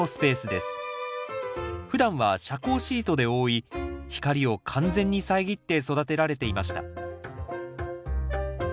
ふだんは遮光シートで覆い光を完全に遮って育てられていました